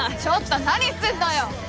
ちょっと何すんのよ！